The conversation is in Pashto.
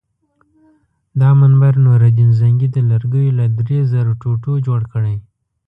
دا منبر نورالدین زنګي د لرګیو له درې زرو ټوټو جوړ کړی.